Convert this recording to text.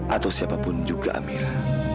atau siapapun juga amira